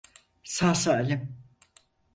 Sağ salim.